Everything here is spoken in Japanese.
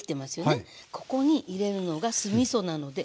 ここに入れるのが酢みそなのでお酢。